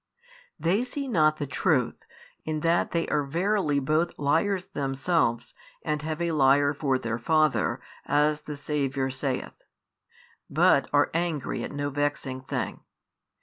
They see not the truth (in that they are verily both liars themselves, and have a liar for their father, as the Saviour saith) but are angry at no vexing thing.